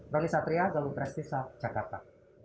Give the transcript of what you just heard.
roni satria galuh prestisa jakarta